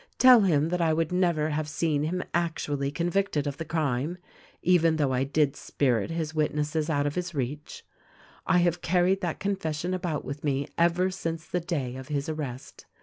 Tell him that I would never have seen him actually convicted of the crime — even though I did spirit his witnesses out of his reach. I have carried that confession about with me ever since the day of his arrest.